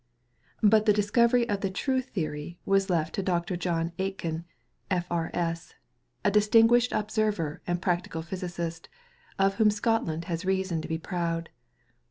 But the discovery of the true theory was left to Dr. John Aitken, F.R.S., a distinguished observer and a practical physicist, of whom Scotland has reason to be proud.